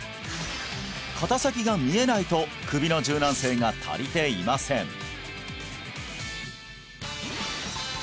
肩先が見えないと首の柔軟性が足りていません